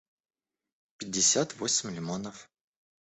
пятьдесят восемь лимонов